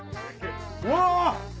うわ！